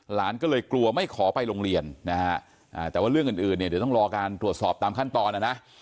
หลานก็เลยกลัวไม่ขอไปโรงเรียนนะฮะแต่ว่าเรื่องอื่นเนี่ยเดี๋ยวต้องรอการตรวจสอบตามขั้นตอนนะนะ